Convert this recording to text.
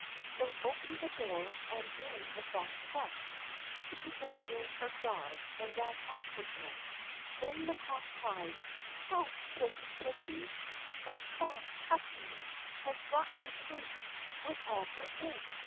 so he opened the door, and in the fox rushed, seized him in her jaws, and ran off with him. Then the cock cried: "Help! pussy pussy! That foxy hussy Has got me tight With all her might.